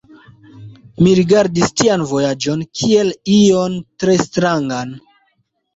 Mi rigardis tian vojaĝon kiel ion tre strangan.